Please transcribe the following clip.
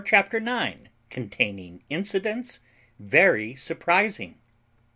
CHAPTER NINE CONTAINING INCIDENTS VERY SURPRIZING.